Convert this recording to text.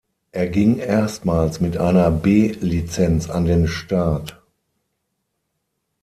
Er ging erstmals mit einer B-Lizenz an den Start.